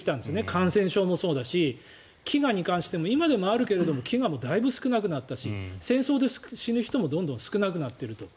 感染症もそうだし飢餓に関しても、今でもあるけど飢餓もだいぶ少なくなったし戦争で死ぬ人もどんどん少なくなっていると。